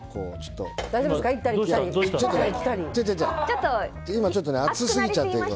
大丈夫ですか？